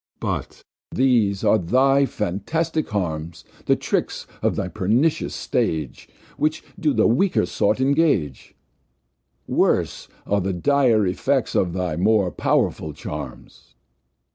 But these are thy fantastic Harms, The Tricks of thy pernicious Stage, Which do the weaker Sort engage; Worse are the dire Effects of thy more pow'rful Charms.